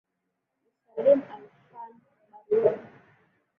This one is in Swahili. ni salum alfan baruan